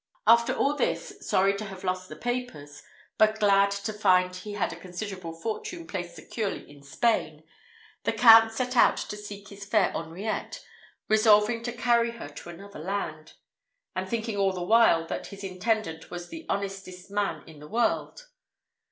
"After all this, sorry to have lost the papers, but glad to find he had a considerable fortune placed securely in Spain, the Count set out to seek his fair Henriette, resolving to carry her to another land; and thinking all the while that his intendant was the honestest man in the world.